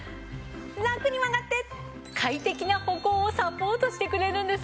ラクに曲がって快適な歩行をサポートしてくれるんです。